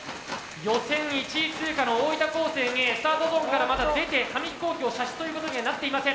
予選１位通過の大分高専Ａスタートゾーンからまだ出て紙飛行機を射出ということにはなっていません。